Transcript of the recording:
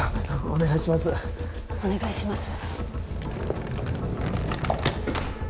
お願いします